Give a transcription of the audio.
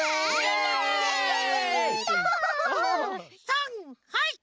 さんはい！